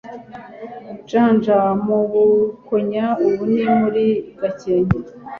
Janja mu Bukonya ubu ni muri Gakenke)